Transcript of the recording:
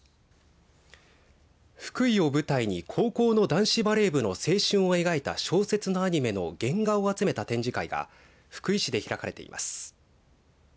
福井を舞台に高校の男子バレー部の青春を描いた小説のアニメの原画を集めた展示会が福井市で開かれています。